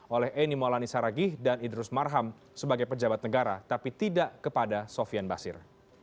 oleh eni maulani saragih dan idrus marham sebagai pejabat negara tapi tidak kepada sofian basir